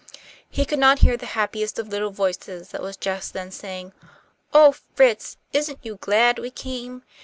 He could not hear the happiest of little voices that was just then saying, "Oh, Fritz, isn't you glad we came?